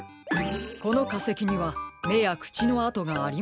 このかせきにはめやくちのあとがありませんね。